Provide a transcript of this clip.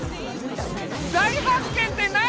大発見って何？